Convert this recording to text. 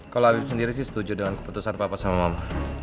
kalau abib sendiri setuju dengan keputusan papa sama mama